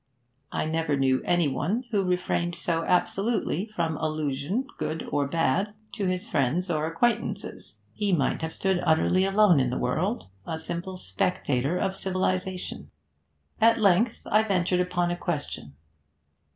I never knew any one who refrained so absolutely from allusion, good or bad, to his friends or acquaintances. He might have stood utterly alone in the world, a simple spectator of civilisation. At length I ventured upon a question.